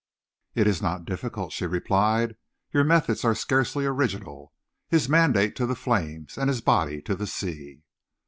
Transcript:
"It is not difficult," she replied. "Your methods are scarcely original. His mandate to the flames, and his body to the sea!"